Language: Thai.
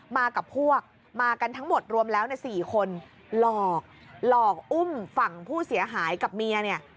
มากับพวกมากันทั้งหมดรวมแล้วใน๔คนหลอกหลอกอุ้มฝั่งผู้เสียหายกับเมียเนี่ย